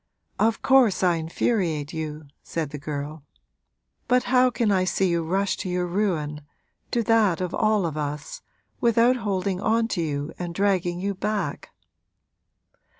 'Of course I infuriate you,' said the girl; 'but how can I see you rush to your ruin to that of all of us without holding on to you and dragging you back?'